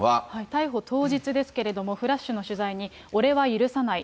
逮捕当日ですけれども、フラッシュの取材に、俺は許さない！